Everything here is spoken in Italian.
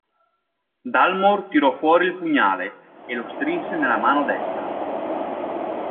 Dalmor tirò fuori il pugnale, e lo strinse nella mano destra.